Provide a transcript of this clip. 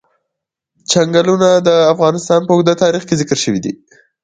چنګلونه د افغانستان په اوږده تاریخ کې ذکر شوی دی.